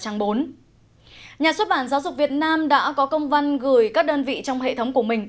nhà xuất bản giáo dục việt nam đã có công văn gửi các đơn vị trong hệ thống của mình